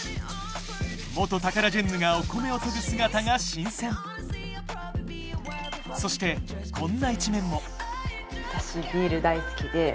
元タカラジェンヌがお米をとぐ姿が新鮮そしてこんな一面も私ビール大好きで。